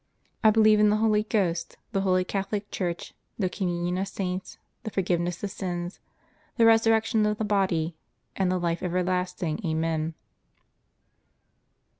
I believe in the Holy Ghost, the Holy Catholic Church, the communion of Saints, the forgiveness of sins, the resurrection of the body, and the life everlasting. Amen.